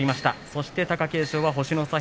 そして貴景勝、星の差